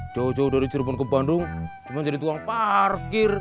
jauh jauh dari cirebon ke bandung cuma jadi tukang parkir